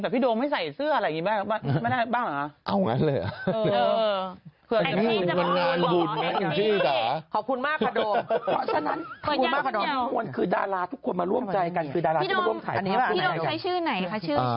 พี่โดมใช้ชื่อไหนค่ะชื่อชื่อแป้มสังกริตค่ะ